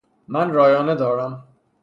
من رایانه دارم.